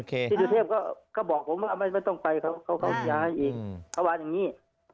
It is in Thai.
เขาก็อย่างนี้